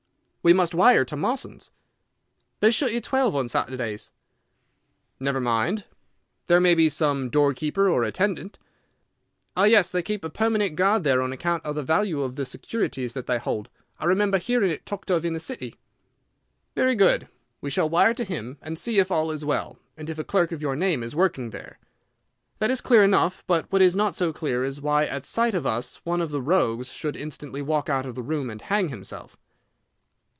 "We must wire to Mawson's." "They shut at twelve on Saturdays." "Never mind. There may be some door keeper or attendant—" "Ah yes, they keep a permanent guard there on account of the value of the securities that they hold. I remember hearing it talked of in the City." "Very good; we shall wire to him, and see if all is well, and if a clerk of your name is working there. That is clear enough; but what is not so clear is why at sight of us one of the rogues should instantly walk out of the room and hang himself."